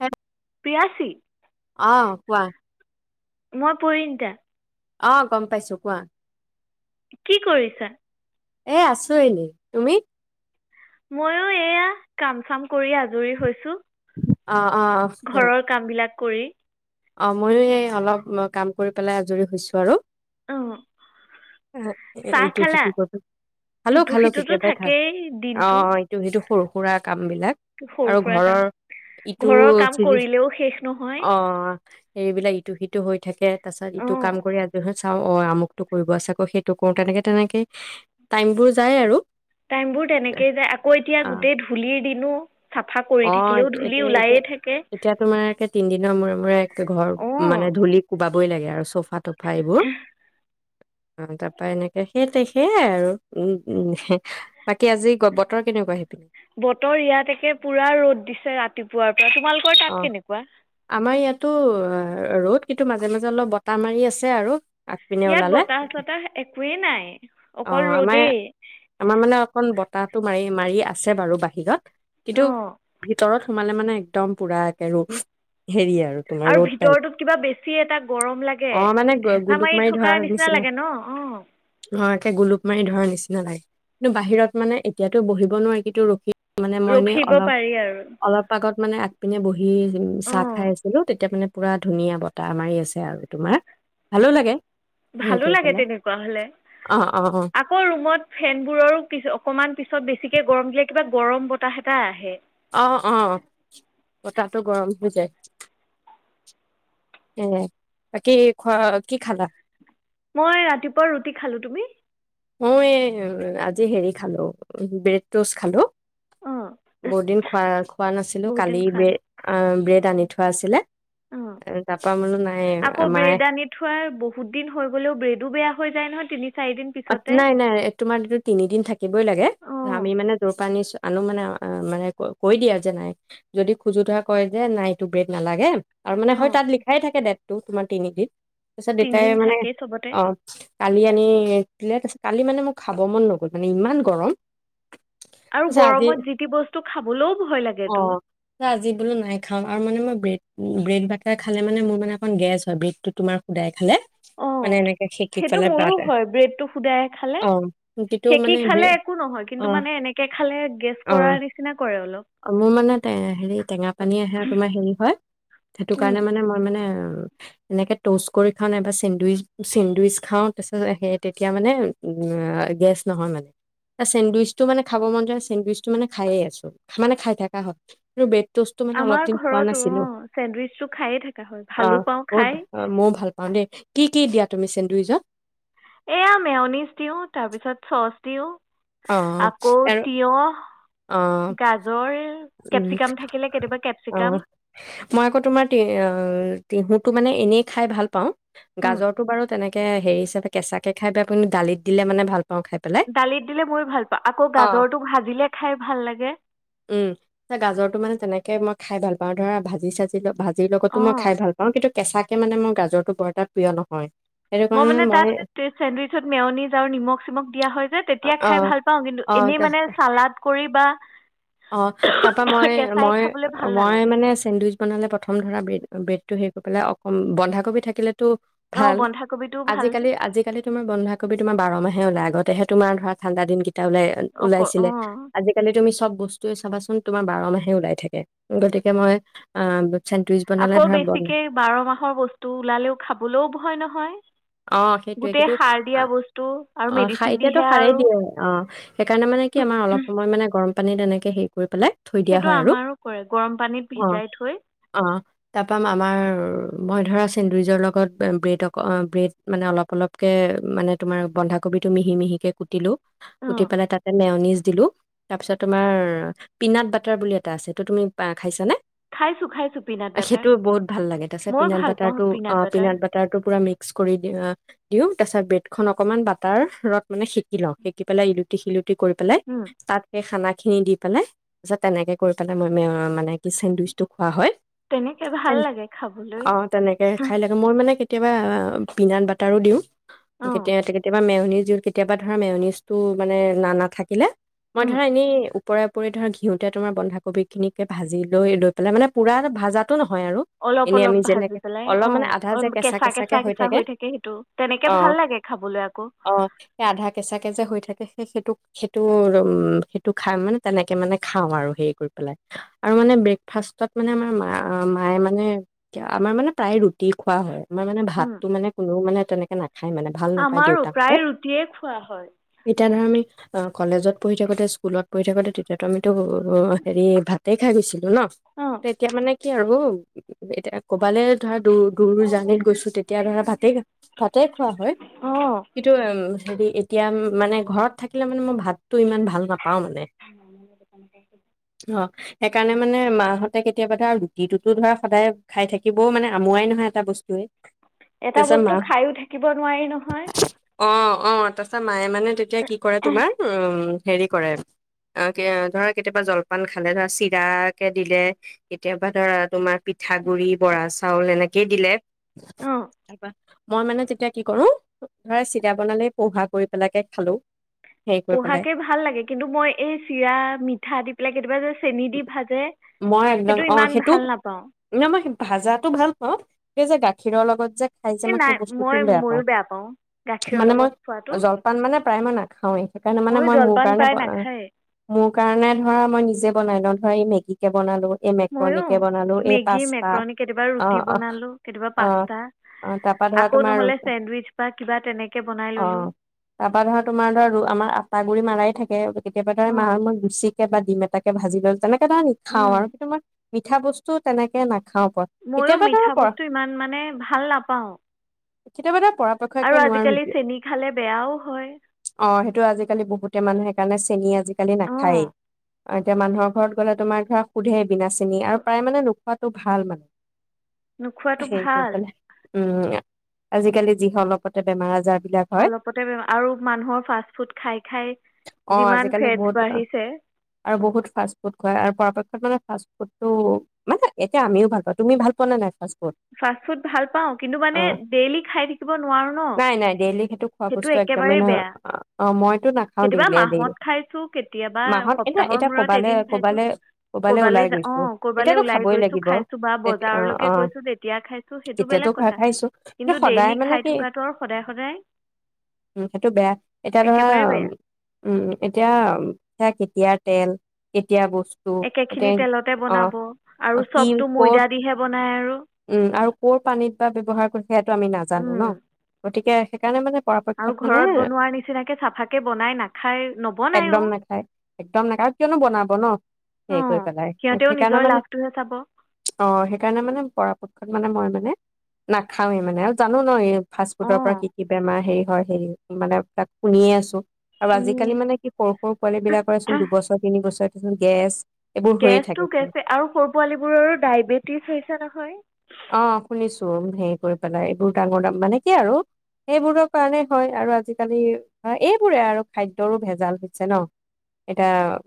হেত প্ৰিয়াশী অ কোৱাঁ মই, প্ৰৰিনিতা অ গম পাইছো কোৱাঁ। কি কৰিছা? এ আছোঁ এনেই তুমি। মইয়ো, এয়া কাম চাম কৰি আজৰি হৈছো। অ অ কামবিলাক কৰি অ ময়ো, এই অলপ কাম কৰি পেলাই আজৰি হৈছোঁ আৰু। অ এইটো সেইটো কৰোঁ। খালো ইটো খালো সিটোতো কেতিয়াবাই খালো। থাকেই অ দিনটো ইটো সিটো। সৰু সুৰা কাম বিলাক। সৰু আৰু সুৰা কাম ঘৰৰ ইটো ঘৰৰ কাম চিৰি কৰিলেও শেষ নহয় অ এইবিলাক ইটো সিটো হৈ থাকে তাৰ পাছত ইটো অঁ কাম কৰি আজৰি হ'ও চাও অ আমুকটো কৰিব আছে ক সেইটো কৰো তেনেকে তেনেকে টাইম বোৰ যাই আৰু। টাইম বোৰ তেনেকেই যায় আকৌ এতিয়া গোটেই ধূলিৰ দিনো চাফা কৰি অ থাকিলেও এ ধূলি এতিয়া এতিয়া ওলায়ে থাকে এতিয়া তোমাৰ একে তিনদিনৰ মূৰে মূৰে ঘৰ অঁ মানে ধূলি কোব [unintelligible] লাগে আৰু চব [unintelligible] এইবোৰ অ তাৰাপা এনেকে সেইট সেইয়াই আৰু উ উ বাকী আজি বতৰ কেনেকুৱা সেইপিনে? পুৰা ৰ'দ দিছে ৰাতিপুৱাৰ তোমালোকৰ তাত কেনেকুৱা টো অ ৰ'দ কিন্তু মাজে মাজে অলপ বতাহ মাৰি আছে আৰু আগ পিনে ইয়াত ওলালে বতাহ চতাহ একোৱেই নাই অ অকল আমাৰ ৰ'দেই আমাৰ মানে অকন বতাহটো মাৰি মাৰি আছে বাৰু বাহিৰত কিন্তু অঁ ভিতৰত সোমালে মানে একদম পুৰা একে ৰ হেৰি আৰু তোমাৰ আৰু ৰ'দ টাইপ ভিতৰতত কিবা বেছি এটা গৰম লাগে অ', মানে হেচা গোলুক মাৰি ধৰাৰ থকাৰ নিচিনা লাগে ন অ গুপ মাৰি ধৰাৰ নিচিনা লাগে কিন্তু বাহিৰত মানে এতিয়াতো বহিব নোৱাৰি কিন্তু ৰখি মানে মই এনে ৰখিব অলপ পাৰি আৰু অলপ আগত মানে আগপিনে বহি উ চাহ অঁ খাই আছিলো তেতিয়া মানে পুৰা ধুনীয়া বতাহ মাৰি আছে আৰু তোমাৰ ভালো লাগে। হেৰি ভালো কৰি লাগে পেলাই তেনেকুৱা হলে অ অ আকৌ ৰুমত ফেনবোৰৰ অকমান পিছত বেছিকে গৰম দিলে কিবা গৰম বতাহ এটা আহে। অ' অ' বতাহটো গৰম হৈ যায় এ বাকি খোৱা কি খালা মই ৰাতিপুৱা ৰুটি খালো তুমি মই আজি হেৰি খালো ব্ৰেড টচ খালো অঁ বহুত দিন খোৱা খোৱা নাছিলো বহুত দিন কালি খোৱা ব্ৰেড আ ব্ৰেড দানি থোৱা আছিলে অ তাৰ পৰা বোলো নাই আকৌ মায়ে ব্ৰেড আনি থোৱাৰ বহুত দিন হৈ গলেও ব্ৰেডো বেয়া হৈ যায় নহয় তিনি চাৰিদিন অ পিছতে নাই নাই তোমাৰ এইটো তিনিদিন থাকিবই লাগে অঁ আমি মানে জৰ পৰা নি আনো মানে মানে কৈ দিয়া যে নাই যদি খোজো থোৱা কয় যে নাই এইটো ব্ৰেড নালাগে আৰু মানে হয় অঁ তাত লিখাই থাকে ডেটটো তোমাৰ তিনিদিন তাৰপিছত দেউতাই তিনিদিন মানে থাকেই চবতে অ কালি আনি প্লেত আছে, কালি মানে মোক খাব মন নগ'ল, মানে ইমান গৰম আৰু আজি, গৰমত যি টি বস্তু খাবলৈও ভয় অ লাগেতো আজি বোলো নাই খাম আৰু মানে মই ব্ৰেড ব্ৰেড বাটাৰ খালে মানে মোৰ মানে অকণ গেছ হয়, ব্ৰেড টো তোমাৰ শুদাই খালে অ মানে এনেকে শেকি সেইটো পেলাই মোৰো বাট হয় ব্ৰেডটো শুদাই খালে অ ইটো সেকি মানে খালে ব্ৰেড একো নহয় কিন্তু অ মানে এনেকে খালে গেছ অ কৰাৰ নিচিনা কৰে অলপ অ মোৰ মানে হেৰি টেঙা পানী আহে তোমাৰ হেৰি হয়, সেইটো উম কাৰণে মানে মই মানে এ এনেকে টচ কৰি খাওঁ নাইবা চেন্দডুইচ চেন্দডুইচ খাওঁ তাৰপিছত সে তেতিয়া মানে উ গেছ নহয় মানে। চেডুইচটো মানে খাব মন যোৱা চেণ্ডউইচটো মানে খায়ে আছো, মানে খাই থকা হয় ৰু বে টোষ্টটো মানে অলপ আমাৰ দিন খোৱা ঘৰতো নাছিলো। অ চেণ্ডউইচটো খায়ে থকা হয় অ ভালো পাওঁ বহুত খাই ভ মইয়ো ভাল পাওঁ দেই, কি কি দিয়া তুমি চেন্দইজত এয়া মেওনিছ দিও, তাৰপিছত চচ দিওঁ। অ আকৌ আৰু তিয়হ অ গাজৰ উম কেপচিকাম থাকিলে কেতিয়াবা অ, কেপচিকাম মই আকৌ তোমাৰ তি অ তিহু মে এনেই খাই ভাল পা উম গাজৰটো বাৰু তেনেকে হে হাৰি কেঁচে খাই দালিত দিলে মানে ভাল পাওঁ খাই পেলাই। দালিত দিলে মই ভাল পাওঁ, আকৌ অ'। গাজৰটো ভাজিলে খাই ভাল লাগে। গাজৰ টো মানে তেনেকে তাকে মই খাই ভাল পাওঁ ধৰা ভাজি চাজি, ভাজ এই লগতো মই অ খাই ভাল পাওঁ, কিন্তু কেঁচাকে মানে মোৰ গাজৰটো বৰ এটা প্ৰিয় নহয়হ মই মানে তাত, চেণ্ডউইচত মেওনিজ আৰু নিমখ চিমখ দিয়া হয় যে অ', তেতিয়া খাই ভাল পাওঁ কিন্তু অ', এনেই তা মানে চালাড কৰি বা অ তাৰ পৰা মই কেঁচাই মই খাবলৈ ভাল মই নালাগে মানে চেণ্ডউইচ বনালে প্ৰথম ধৰা ব্ৰেড টো হে কৰি পেলে, অকল বন্ধাকবি থাকিলে তো অঁ ভাল বন্ধাকবিটোও ভাল আজিকালি আজিকালি টো মই বন্ধাক কবি তোমাৰ বাৰ মাহে ওলাই আতেহে তোমাৰ ধৰা ঠাণ্ডা দিন এ অক ওলাই-ওলাইছিলে অঁ আজিকালি তুমি চব তুমি চাবাচোন তোমাৰ বাৰ মাহে ওলাই থাকে গতিকে মই আ আকৌ বেছিকে বাৰ মাহৰ বস্তু ওলালেও খাবলৈও ভয় নহয় হয় অ সেইটোয়ে কিন্তু আৰু অ মেডিচিন সাৰেই দিয়ে দিহে সাৰেই আৰু দিয়ে অ সেইকাৰণে মানে কি আমাৰ অলপ সময় মানে গৰম পানী তেনেকে শিক কৰি পেলাই থৈ দিয়া সেইটো হয় আৰু, আমাৰো কৰে গৰম পানীত অঁ ভিজাই থৈ অঁ তাৰ পৰা আমাৰ মই ধৰা চেণ্ডুইজৰ লগত ব্ৰেড অক ব্ৰেড মানে অলপ-অলপকে মানে তোমাৰ বন্ধাকবিটো মিহি-মিহিকে কুটিলো। উঠি অঁ পেলাই তাতে মেওনিজ দিলো, তাৰপিছত তোমাৰ পিনাট বাটাৰ বুলি এটা আছে সেতো তুমি খাইছানে? খাইছোঁ খাইছোঁ পিনাট বাটাৰ সেইটো বহুত ভাল লাগে, তাচে ময়ো পিনাট ভাল পাওঁ বাটাৰটো অ বাটাৰ পিনাট বাটাৰটো পুৰা মিক্স দিওঁ তাৰছত ব্ৰেডখন অকনমান বাটাৰ ৰত মানে সেকি লওঁ, সেকি পেলাই ইলুটি শিলুি কৰি পেলাই তাত সেই খানা খিনি দি পেলাই তাৰ পিছত তেনেকে কৰি পেলাই মই মানে কি চেণ্ডবিটচ টো খোৱা হয়। তেনেকৈ ভাল লাগে খাবলৈ অ' তেনেকে খাই লাগে মোৰ মানে কিবা আহ পিনাত বাটাৰো দিওঁ। অঁ কেতিয় কেতিয়াবা মেও অনজত কেতিয়াবা ধৰাম এ অনজ টো মানে না নাথাকিলে মই উম ধৰা এনেই ওপৰা উপৰি ধৰক ঘিউতে তোমাৰ বন্ধাকবি খিনিকে ভাজি লৈ লৈ পেলাই মানে পুৰা ভাজাত টো নহয় আৰু অলপ এনে অলপ আমি ভাজি যেনেকে পেলাই অলপ অঁ মানে আধা যে কেঁচা, কেঁচা কে হৈ থাকে। সেইটো তেনেকৈ ভাল অ', লাগে খাবলৈ আকৌ অ' সেই আধা কেঁচা কে যে হৈ থাকে। সেইটোক, সেইটো, উমম সেইটো খাম মানে তেনেকে মানে খাওঁ আৰু হেৰি কৰি পেলাই আৰু মানে ব্ৰেকফাষ্টত মানে আমাৰ মা মায়ে মানে আমাৰ মানে প্ৰায় ৰুট দি খোৱা হয় আমাৰ মানে উম ভাতটো মানে মানে তেনেকে না। আমাৰো প্ৰায় ৰুটিয়ে খোৱা হয়। তেতিয়া ধ আমি অ'কলেজত পঢি থাকোতে স্কুলত পঢি থাকোতে তেতিয়াতো আমি এইটো হেৰি ভাত তাতে খাই গৈছিলো ন অঁ এতিয়া মানে কি আৰু এতিয়া কবালৈ ধৰা দুৰ, দূৰ জানিত গৈছো তেতিয়া ধৰা ভাত ঠিকে থাক। ত খোৱা হয় অঁ কিতু উম হেৰী এতিয়া মানে ঘৰত থাকিলে মানে মই ভাতটো ইমান ভাল নাপাও মানে অ' সেইকাৰণে মানে মাহতে কেতিয়াবা ধৰা ৰুটিটোতো ধৰা সদায় খাই থাকে। থাকিবও মানে আমোোৱাই নহয় এটা বস্তুৱে। এটা তাৰছত বস্তু মা খায়ো থাকিব নোৱাৰি নহয় অ', অ' তাৰছত মায়ে মানে তেতিয়া কি কৰে তোমাৰ উ। হেৰি কৰে অ'ধৰা কেতিয়াবা জলপান খালে ধৰা চিৰা কে দিলে কেতিয়াবা ধৰা তোমাৰ পিঠাগুৰি বৰা চাউল এনেক কি দিলে অঁ তাৰপা মই মানে তেতিয়া কি কৰো ধৰা চিৰা বনালে পোহা কৰি পেলাকে খালো। হেৰি কৰি পেলাই পঢ়াকে ভাল লাগে কিন্তু মই এই চিৰা মিঠা দি পেলাই কেতিয়াবা যে চেনি দি ভাজে মই একদম অ' ইমান সেইটো ভাল নাপাওঁ ন মই ভাজাতটো ভাল পাওঁ, এই যে গাখীৰৰ লগত যে খাই যে এই মই নাই সেই মই বস্তুটোও বেয়া ময়ো পাওঁ গাখীৰৰ মানে মই লগত খোৱাটো জলপান মানে প্ৰায় মই নাখাওঁৱেই। সেইকাৰণে মানে ময়ো মই মোৰ জলপান কাৰণে, প্ৰায় অ নাখায়েই মোৰ কাৰণে ধৰা মই নিজে বনাই লওঁ ধৰা এই মেগী কে বনালো। এই ময়ো মেক্ৰণীকে বনালো এই মেগী পাস্তা মেক্ৰণী কেতিয়াবা অ ৰুটি অ বনালোঁ কেতিয়াবা অ পাস্তা অ তাৰপৰা ধৰা আকৌ তোমাৰ নহ'লে চেণ্ডউইচ বা কিবা তেনেকে বনাই অ ল'লোঁ তাৰপৰা ধৰা তোমাৰ ধৰা আমাৰ আটা গুৰি মাৰাই থাকে কেতিয়াবা ধই মাৰ অঁ মই গুচি। কে বাদ দিম এটা ভাজি লল তেনে খাওঁ আৰু হেইটো মই। মিঠা বস্তু তেনেকে নাখ ময়ো মিঠা বস্তু ইমান মানে ভাল নাপাওঁ। [unintelligible] আৰু পৰাপক্ষকে নোৱাৰো আজিকালি কিয় চেনি খালে বেয়াও হয় অ সেইটো আজিকালি বহুতে মানুহে। সেইকাৰণে চেনি আজিকালি নাখায়েই। অঁ অ এতিয়া মানুহৰ ঘৰত গ'লে তোমাৰ ধৰা সোধে বিনা চিনি আৰু প্ৰায় মানে নোখোৱা তটো ভাল নোখোৱাটো মানে। হেই কৈ ভাল পেলে উম আজিকালি যিসকলপতে বেমাৰ আজাৰ। বিলাক হয় অলপতে আৰু মানুহৰ ফাষ্ট ফুড খাই খাই অ যিমান আজিকালি ফেটছ বহুত বাঢ়িছে। আৰু বহুত ফাষ্ট ফুড খুৱাই আৰু পৰাপক্ষত মানে ফাষ্ট ফুডটো মানে এতিয়া আমিও ভাল পাও তুমি ভাল পোৱা নে নাই ফাষ্ট ফুড। ফাষ্ট ফুড ভাল পাওঁ কিন্তু অ মানে ডেইলি খাই থাকিব নোৱাৰো ন নাই নাই ডেইলি খোৱা সেইটো বস্তু একদমেই একেবাৰেই নহয় বেয়া অ অ মইতো নাখাও কেতিয়াবা ডেইলি ডেইলি মাহত খাইছো কেতিয়াবা। মাহত এতিয়া সপ্তাহৰ এতিয়া মূৰত কবালে এদিন খাইছো কবালে কবালে কৰবালৈ ওলাই অ গৈছো কৰ'বালৈ তেতিয়াতো ওলাই খাবই গৈছো খাইছো বা বজাৰলৈকে গৈছো। কেতিয়াতো খ খাইছো কিন্তু সদায় ডেইলি মানে খাই কি থকাটো আৰু সদায় সদায় উ সেইটো বেয়া এতিয়া ধৰা একেবাৰে বেয়া উম এতিয়া সেয়া কেতিয়া। তেল কেতিয়া বোৰ্ত। একে খিনি তেলতে বনাব আৰু কি চবটো কৰ ময়দা দিহে বন। উম আৰু কৰ পানীত বা ব্যৱহাৰ কৰি সেইটো আমি নাজানো উম ন গতিকে। সেইকাৰনে মানে। আৰু পৰাপক্ষত মানে ঘৰত বনোৱাৰ নিচিনাকৈ চাফাকৈ বনাই নাখায় নবনায়ো একদম অ নাখায় একদম নাখায় কিয়নো বনাব ন সেৰি কৰি পেলাই সিহঁতেও সেইকাৰণে নিজৰ মানে লাভটোহে চাব অ সেইকাৰণে মানে। ফা ফুড খ মানে মই মানে নাখাওৱে মানে আৰু জানো ন এই ফাষ্ট অ ফুডৰ পৰা কি কি বেমাৰ হেৰি হয় হেৰি মানে তাক শুনিয়ে আছো। আৰু আজিকালি শুনিয়ে মানে কি সৰু সৰু পোৱালী বিলাকৰেচোন দুবছৰ তিন বছৰ। ত গেছ এইবোৰ হৈয়ে গেছটো থাকেচোন গেছে আৰু সৰু পোৱালী বোৰৰো ডায়বেটিছ হৈছে ন হয়। অ শুনিছো হেৰি কৰি পেলাই এইবোৰ ডাঙৰ দাম মানে কি আৰু সেইবোৰৰ কাৰণে হয় আৰু আজিকালি এইবোৰে আৰু খাদ্যৰো ভেজাল হৈছে ন এতিয়া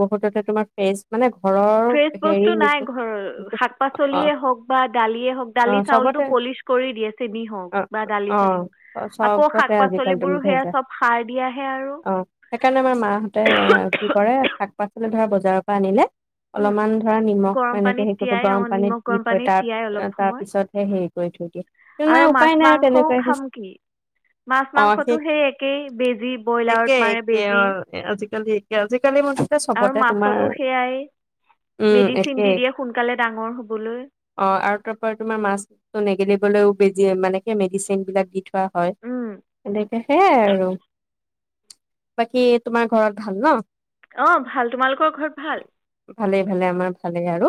বহুততে তোমাৰ ফেচ মানে ঘৰৰ ফ্ৰেছ বস্তু হেৰি নাই নিছো। ঘৰৰ শাক পাচলিয়ে হওক বা দালিয়েই হওক দালি চাউলতটো চবতে পলিচ কৰি দিয়ে চেনি হওক অ বা দালি অ চালি হওঁক আকৌ শাক চবতে আজিকালি তুমি পাচলিবোৰো সেয়া ভেজাল চব সাৰ দিয়াহে আৰু অ সেইকাৰণে আমাৰ মাহঁতে কি কৰে শাক পাচলি ধৰা বজাৰৰ পৰা আনিলে উম, অলপমান ধৰা নিমখ গৰম এনেকে পানীত হেো তিয়াই অঁ গৰম পানীত নিমখ দি গৰম থৈ পানীত তাৰ তিয়াই অলপ তাৰ সময় পিছতহে সাৰিকৈ থৈয়দিয়া আৰু মাছ মাংসও খাম কি মাছ মাংসটো সেই একেই বেজি ব্ৰইলাৰত মাৰে বেজি কি ক কালি মঠতে চবতে তোমাৰ সেয়াই উম মেডিচিন একে দি দিয়ে সোনকালে ডাঙৰ হ'বলৈ অ আৰু তাৰপ তোমাৰ মাছটো নিগেটিভ গলেও বেজ মানেে মেডিচিন বিলাক দি থোৱা হয় সেনেকে সেয় আৰু বাকী তোমাৰ ঘৰত ভাল ন অ ভাল তোমালোকৰ ঘৰত ভাল ভালেই ভালে আমাৰ ভালেই আৰু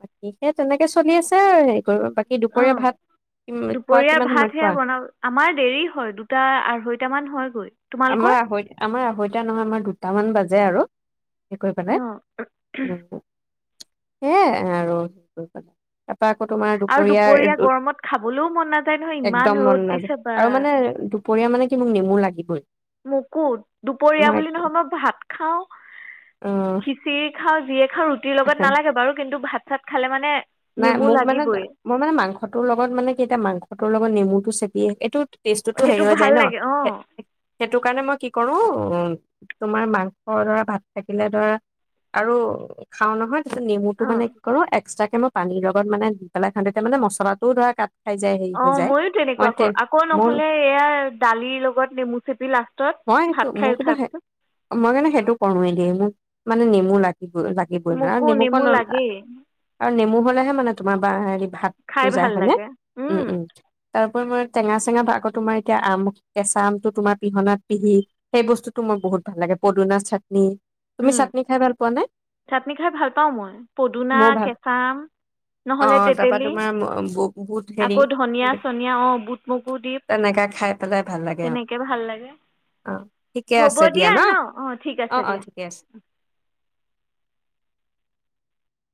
বাকীহে তেনেকে চলি আছে আৰু বাকী দুপৰীয়া অঁ ভাত খোৱা দুপৰীয়াৰ কিমান ভাত সময়ত সেয়া খোৱা বনাব আমাৰ দেৰি হয় দুটা আঢ়ৈটামান হয়গৈ আমাৰ তোমালোকৰ আত আমাৰ আৈত নহয় আমাৰ দুটামান বাজি যে আৰু সে কৰি পানাই অঁ উ সেয় আৰু আকৌ তোমাৰ আৰু দুপৰীয়াাৰ দুপৰীয়া গৰমত খাবলৈও মন নাযায় নহয় ইমান এক্দম ৰ'দ মন নাযায় দিছে বা আৰু মানে দুপৰীয়া মানে কি মোক নেমু লাগে লাগিবই মোকো দুপৰীয়া বুলি নহয় মই ভাত খাও উম খিচিৰি খজ ৰুটিৰ লগত নালাগে বাৰু কিন্তু ভাত তাত খালে মানে নাই নেমু মোক মানে লাগিবই মই মানে মাংসটোৰ লগত মানে কেইতিয়া মাংসটোৰ লগত নেমু টো চেপিয়ে এইটোত টেষ্টতো সেইটো হেৰি হৈ ভাল যায় ন লাগে অঁ সেইটো কাৰণে মই কি কৰো তোমাৰ মাংসৰ দৰা ভাত থাকিলে দৰা আৰু খাও নহয় তাৰিছত নেমুটো অঁ মানে কি কৰো এক ইষ্টাগ্ৰামত পানীৰ লগত মানে দি পেলাই খান্দিতে মানে মছলাটোও ধৰা কাট খাই যায় হেৰি অ হৈ যায় ময়ো তেনেকুৱা মই কৰো তে আকৌ মোৰ নহলে এয়া দালিৰ লগত নেমু চেপি মই লাষ্টত সেইটো ভাত মোৰ খাই উঠাৰ পিছত নেমু মানে নেমু লাগ ল লাগিবই ন মোকো নেমুক নেমু লাগেই নেমু হলে হে মানে তোমাৰ বা হেৰি ভাত টো খাই যায় ভাল মানে। লাগে উম উম তাৰপৰি মই টেঙা চেঙা ভাগত তোমাৰ এতিয়া আম কেঁচা আমটো তোমাৰ পিহনাত পিহি সেই বস্তুতটো মোৰ বহুত ভাল লাগে। পদুনা চাটনি, তুমি উম চাটনি খাই ভাল পোৱা নে? চাটনি খাই ভাল পাও মই। পদুনা, ময়ো ভাল কেঁচা আম অ নহলে তাৰপা টেতিলি তোমাৰ বুট হেৰি আকৌ ধনীয়া-চনীয়া, বুট-মগু দি, তেনেকা খাই পেলাই ভাল লাগে অ তেনেকে ভাল লাগে, অ ঠিকে হ'ব দিয়া ন। অ', ঠিক আছে দিয়া। গেছ,